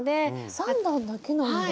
３段だけなんだ。